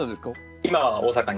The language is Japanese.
今は大阪に。